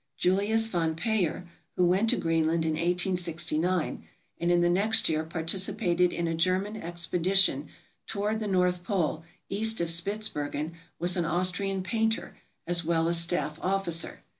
Julius von Payer, who went to Greenland in 1869, and in the next year participated in a German expedition toward the north pole, east of Spitzbergen, was an Austrian painter as well as staff officer.